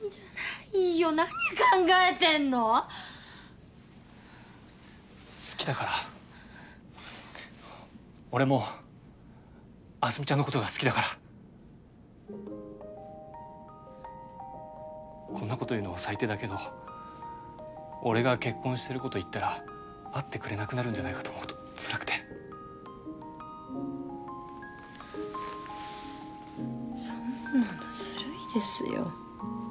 何考えてんの⁉好きだから俺も明日美ちゃんのことが好きだからこんなこと言うの最低だけど俺が結婚してること言ったら会ってくれなくなるんじゃないかと思うとつらくてそんなのずるいですよ